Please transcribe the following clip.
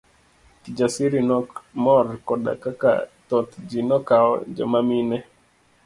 Kijasiri nok mor koda kaka thoth ji nokawo joma mine.